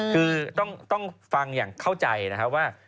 คือต้องฟังอย่างเข้าใจนะครับว่า